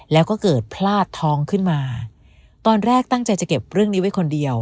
แล้วก็เกิดพลาดท้องขึ้นมาตอนแรกตั้งใจจะเก็บเรื่องนี้ไว้คนเดียว